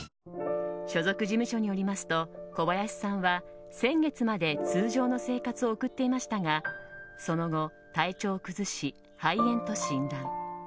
所属事務所によりますと小林さんは先月まで通常の生活を送っていましたがその後、体調を崩し肺炎と診断。